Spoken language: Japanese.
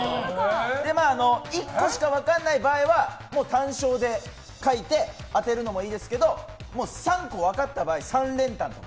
１個しか分からない場合はもう単勝で書いて当てるのもいいですけど３個分かった場合３連単。